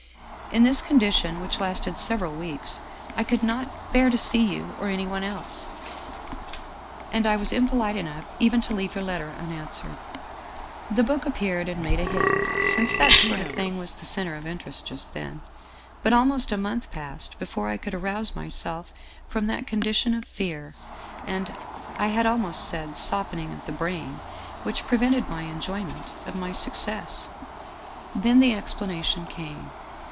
In this con dition, which lasted several weeks, I could not bear to see 267 Scandinavian Mystery Stories you or anyone else, and I was impolite enough even to leave your letter unanswered. " The book appeared and made a hit, since that sort of thing was the center of interest just then. But almost a month passed before I could arouse myself from that con dition of fear and I had almost said, softening of the brain which prevented my enjoyment of my success. " Then the explanation came.